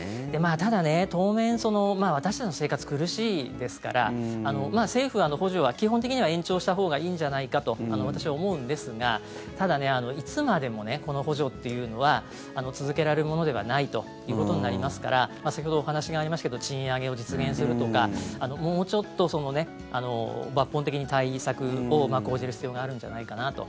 ただ、当面私たちの生活、苦しいですから政府は補助は基本的には延長した方がいいんじゃないかと私は思うんですがただ、いつまでもこの補助っていうのは続けられるものではないということになりますから先ほどお話がありましたが賃上げを実現するとかもうちょっと抜本的に対策を講じる必要があるんじゃないかと